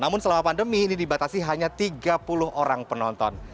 namun selama pandemi ini dibatasi hanya tiga puluh orang penonton